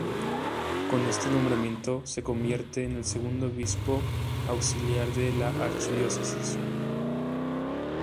Con este nombramiento se convierte en el segundo obispo auxiliar de la archidiócesis.